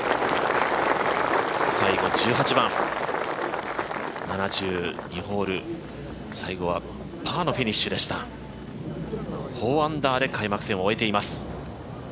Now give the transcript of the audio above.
最後１８番、７２ホール、最後は、パーのフィニッシュでした４アンダーで開幕戦を終えています